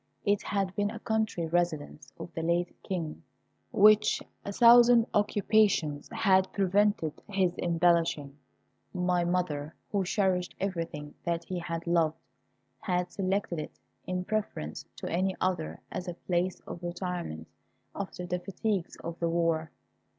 It had been a country residence of the late King, which a thousand occupations had prevented his embellishing. My mother, who cherished everything that he had loved, had selected it in preference to any other as a place of retirement after the fatigues of the war.